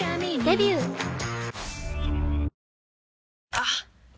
あっ！